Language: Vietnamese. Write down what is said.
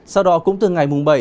sau đó cũng từ ngày mùng bảy